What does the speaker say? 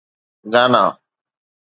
گانا